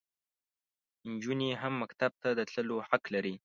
انجونې هم مکتب ته د تللو حق لري.